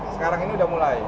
sekarang ini sudah mulai